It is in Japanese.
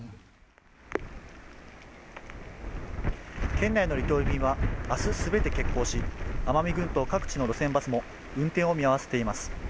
県内の離島便は明日全て欠航し、奄美群島各地の路線バスも運転を見合わせています。